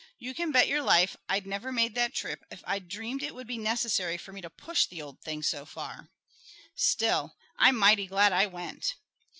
You can bet your life I'd never made that trip if I'd dreamed it would be necessary for me to push the old thing so far. Still, I'm mighty glad I went.